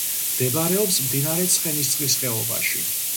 მდებარეობს მდინარე ცხენისწყლის ხეობაში.